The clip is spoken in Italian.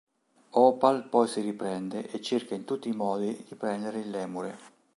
Opal poi si riprende e cerca in tutti i modi di prendere il lemure.